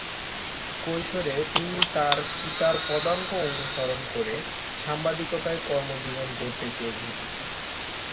কৈশোরে তিনি তার পিতার পদাঙ্ক অনুসরণ করে সাংবাদিকতায় কর্মজীবন গড়তে চেয়েছিলেন।